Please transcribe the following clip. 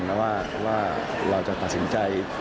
แล้วว่าเราจะตัดสินใจ